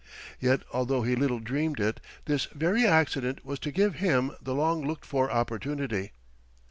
Yet, although he little dreamed it, this very accident was to give him the long looked for opportunity.